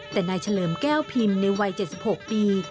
แต่นายเฉลิมแก้วพิมพ์ในวัย๗๖ปี